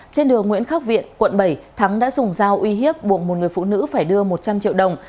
trên đường nguyễn khắc viện quận bảy thắng đã dùng dao uy hiếp buộc một người phụ nữ phải đưa một trăm linh triệu đồng